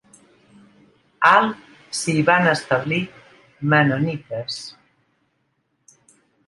Al s'hi van establir mennonites.